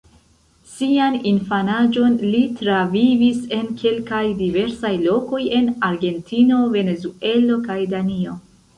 Sian infanaĝon li travivis en kelkaj diversaj lokoj en Argentino, Venezuelo kaj Danio.